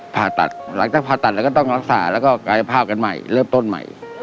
ผ่าตัดหลังจากผ่าตัดแล้วก็ต้องรักษาแล้วก็กายภาพกันใหม่เริ่มต้นใหม่